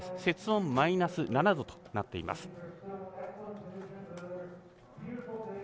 雪温マイナス７度となっています。